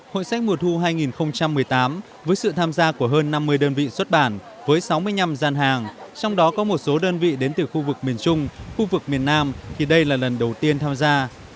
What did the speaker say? hội sách mùa thu hai nghìn một mươi tám với sự tham gia của hơn năm mươi đơn vị xuất bản với sáu mươi năm gian hàng trong đó có một số đơn vị đến từ khu vực miền trung khu vực miền nam thì đây là lần đầu tiên tham gia